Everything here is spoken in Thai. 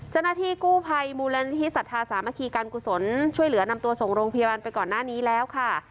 เจ้าหน้าที่กู้ภัยมูลนิธิสัทธาสามัคคีการกุศลช่วยเหลือนำตัวส่งโรงพยาบาลไปก่อนหน้านี้แล้วค่ะ